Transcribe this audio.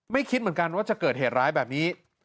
คิดเหมือนกันว่าจะเกิดเหตุร้ายแบบนี้